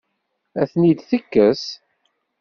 Ad ten-id-tekkes?